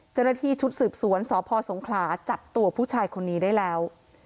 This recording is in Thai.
เจ้าหน้าที่ชุดสืบสวนสพสงขลาจับตัวผู้ชายคนนี้ได้แล้ว